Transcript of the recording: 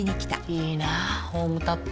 いいなホームタップ。